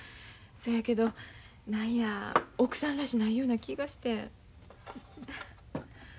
そやけど何や奥さんらしないような気がして。